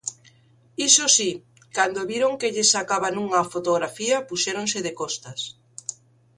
Iso si, cando viron que lles sacaban unha fotografía puxéronse de costas.